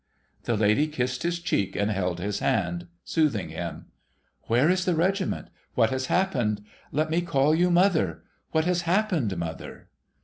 The lady kissed his cheek, and held his hand, soothing him. ' ^^'here is the regiment ? What has happened ? Let me call you mother. What has happened, mother